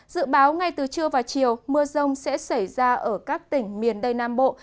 dự báo ngay từ trưa và chiều mưa rông sẽ xảy ra ở các tỉnh miền tây nam bộ